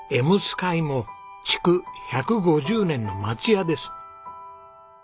空も築１５０年の町家です。